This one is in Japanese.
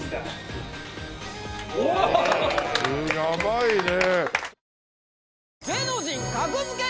やばいね。